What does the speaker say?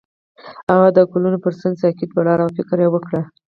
هغه د ګلونه پر څنډه ساکت ولاړ او فکر وکړ.